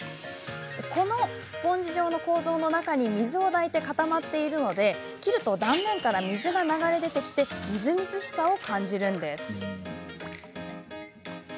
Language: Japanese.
このスポンジ状の構造の中に水を抱いて固まっているので切ると断面から水が流れ出てきてみずみずしさを感じるんです。